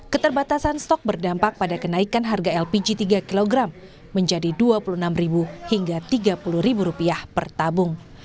keterbatasan stok berdampak pada kenaikan harga lpg tiga kg menjadi rp dua puluh enam hingga rp tiga puluh per tabung